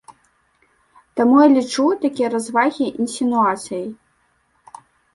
Таму я лічу такія развагі інсінуацыяй.